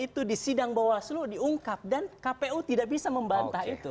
itu di sidang bawaslu diungkap dan kpu tidak bisa membantah itu